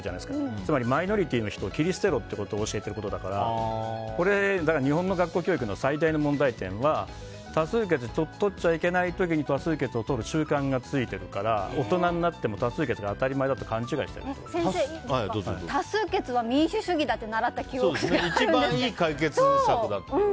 つまりマイノリティーの人を切り捨てろということを教えてることになるから日本の学校教育の最大の問題点は多数決をとっちゃいけない時に多数決をとる習慣がついてるから大人になっても多数決が当たり前だと先生、多数決は民主主義だって一番いい解決策だってね。